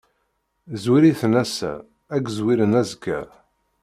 Zzwir-iten ass-a, ad k-zwiren azekka.